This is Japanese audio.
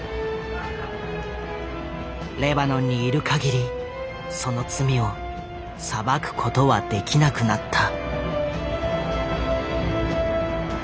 レバノンにいるかぎりその罪を裁くことはできなくなった。